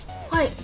はい。